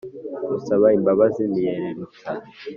nkusaba imbabazi ntiyererutsa